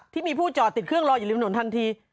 ที่มีผู้จอดติดเครื่องรออยู่ในลิฟน์หน่วนทันที